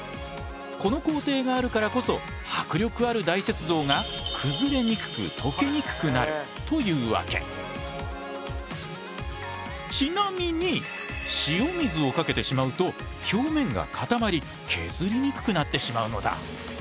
この工程があるからこそ迫力ある大雪像がちなみに塩水をかけてしまうと表面が固まり削りにくくなってしまうのだ。